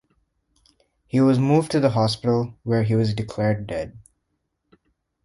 He was moved to the hospital, where he was declared dead.